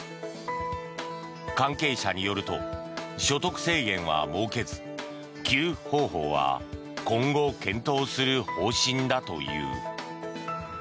関係者によると所得制限は設けず給付方法は今後、検討する方針だという。